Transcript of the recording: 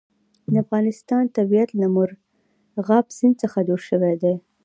د افغانستان طبیعت له مورغاب سیند څخه جوړ شوی دی.